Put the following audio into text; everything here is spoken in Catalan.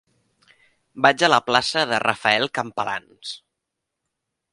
Vaig a la plaça de Rafael Campalans.